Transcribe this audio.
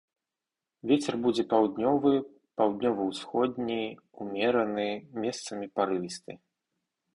Вецер будзе паўднёвы, паўднёва-ўсходні, умераны, месцамі парывісты.